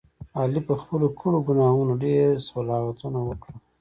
علي په خپلو کړو ګناهونو ډېر صلواتونه وکړل.